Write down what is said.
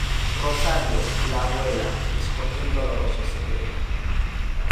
Rosario, la abuela, esconde un doloroso secreto.